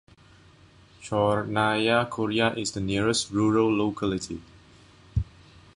Chyornaya Kurya is the nearest rural locality.